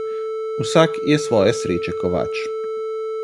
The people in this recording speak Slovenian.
Vsak je svoje sreče kovač.